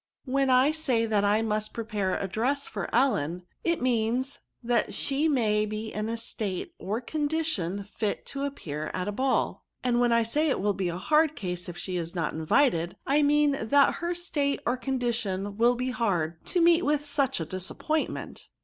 When I say that I must prepare a dtess for Ellen, it means, that she may be in a state or condition fit to appear at a ball ; and when I say it will be a hard case if she is not invited, I mean that her state or condition will be hard, to meet with such a disappointment."